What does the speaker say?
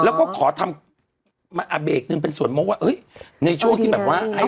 แล้วก็ขอทำมาอาเบกหนึ่งเป็นสวนโมกว่าเอ้ยในช่วงที่แบบว่าอ้าว